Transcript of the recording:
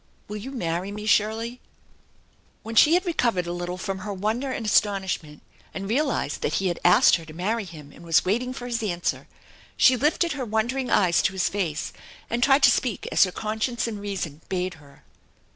Will you marry me, Shirley ?" When she had recovered a little from her wonder and astonishment, and realized that he had asked her to marry him, and was waiting for his answer, sht lifted her wondering eyes to his face, and tried to speak as her conscience and reason bade her.